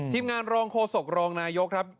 ทีมงานรองโครสกรองนายงลอนายก